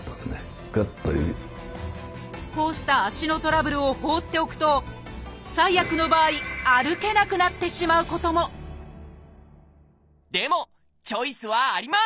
こうした足のトラブルを放っておくと最悪の場合歩けなくなってしまうこともでもチョイスはあります！